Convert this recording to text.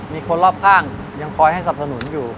มีคนรอบข้างยังคอยให้สับสนุนอยู่